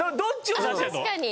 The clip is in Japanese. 確かに。